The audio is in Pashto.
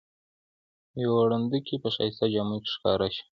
یوه ړندوکۍ په ښایسته جامو کې ښکاره شوه.